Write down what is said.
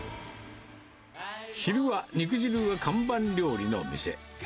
昼は肉じるが看板料理の店。